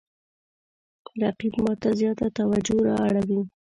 رقیب ما ته زیاته توجه را اړوي